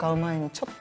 ちょっと。